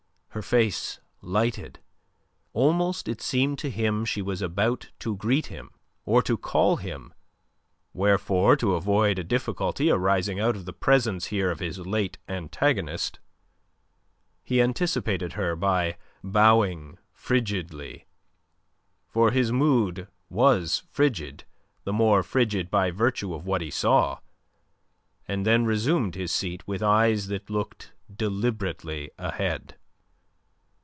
Her face lighted; almost it seemed to him she was about to greet him or to call him, wherefore, to avoid a difficulty, arising out of the presence there of his late antagonist, he anticipated her by bowing frigidly for his mood was frigid, the more frigid by virtue of what he saw and then resumed his seat with eyes that looked deliberately ahead.